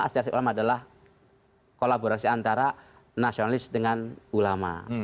aspirasi ulama adalah kolaborasi antara nasionalis dengan ulama